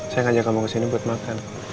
saya ngajak kamu kesini buat makan